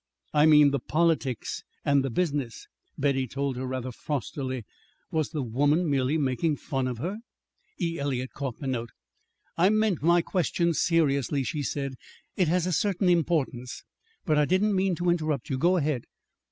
"I mean the politics and the business," Betty told her rather frostily. Was the woman merely making fun of her? E. Eliot caught the note. "I meant my question seriously," she said. "It has a certain importance. But I didn't mean to interrupt you. Go ahead."